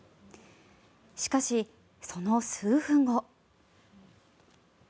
しかし、その数分後。